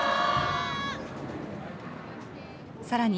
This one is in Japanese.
さらに、